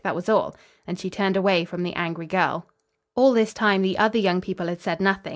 That was all." And she turned away from the angry girl. All this time the other young people had said nothing.